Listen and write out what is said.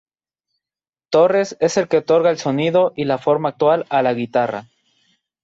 Torres es el que otorga el sonido y la forma actual a la guitarra.